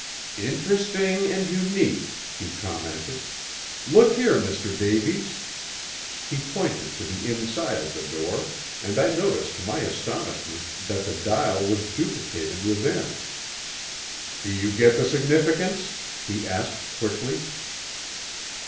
"Interesting and unique," he commented. "Look here, Mr. Davies!" He pointed to the inside of the door, and I noticed to my astonishment that the dial was duplicated within. "Do you get the significance?" he asked quickly.